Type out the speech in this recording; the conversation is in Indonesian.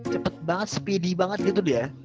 cepet banget speedy banget gitu dia